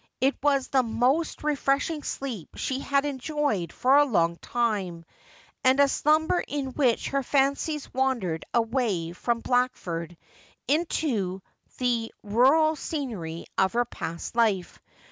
It was the most refreshing slee}) she had enjoyed for a long time, and a slumber in which her fancies wandered away from Blackford into the rural scenery of her past life.